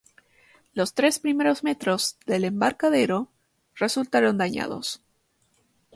Los tres primeros metros del embarcadero resultaron dañados.